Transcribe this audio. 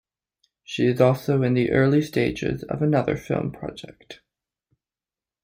She is also in the early stages of another film project.